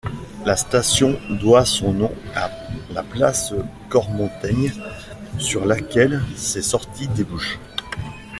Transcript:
La station doit son nom à la place Cormontaigne, sur laquelle ses sorties débouchent.